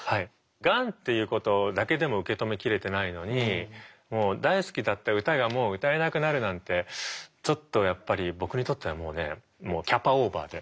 がんっていうことだけでも受け止めきれてないのにもう大好きだった歌がもう歌えなくなるなんてちょっとやっぱり僕にとってはもうねもうキャパオーバーで。